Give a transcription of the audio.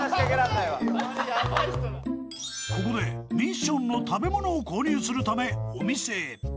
［ここでミッションの食べ物を購入するためお店へ］